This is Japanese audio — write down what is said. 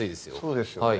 そうですよね